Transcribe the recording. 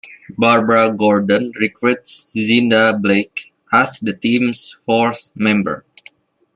Barbara Gordon recruits Zinda Blake as the team's fourth member.